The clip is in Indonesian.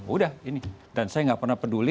udah ini dan saya gak pernah peduli